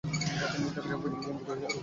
তিনি মুক্তাগাছা উপজেলা বিএনপির সভাপতি।